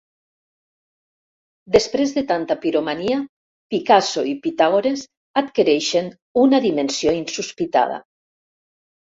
Després de tanta piromania, Picasso i Pitàgores adquireixen una dimensió insospitada.